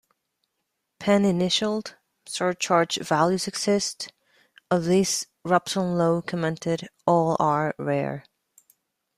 Pen initialed, surcharged values exist; of these Robson Lowe commented, All are rare.